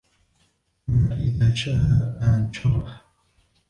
ثُمَّ إِذَا شَاءَ أَنْشَرَهُ